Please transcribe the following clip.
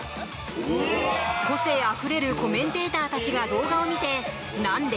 個性あふれるコメンテーターたちが動画を見て、何で？